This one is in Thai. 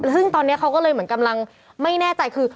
ซึ่งตอนนี้เขาก็เลยเหมือนกำลังไม่แน่ใจคือ